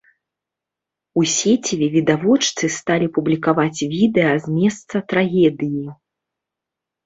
У сеціве відавочцы сталі публікаваць відэа з месца трагедыі.